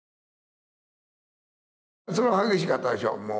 そりゃ激しかったでしょう